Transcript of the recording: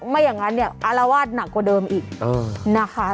ไม่อย่างนั้นเนี่ยอารวาสหนักกว่าเดิมอีกนะคะ